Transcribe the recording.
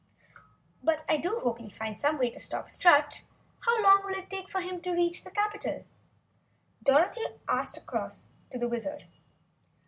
"But I do hope we'll find some way to stop Strut! How long will it take him to reach the capitol?" Dorothy called across to the Wizard.